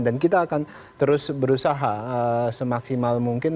dan kita akan terus berusaha semaksimal mungkin